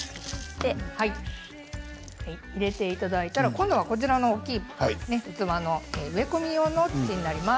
入れていただいたら今度は大きい植え込み用の土になります。